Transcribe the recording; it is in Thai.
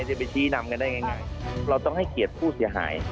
จะไปชี้นำกันได้ง่ายเราต้องให้เกียรติผู้เสียหาย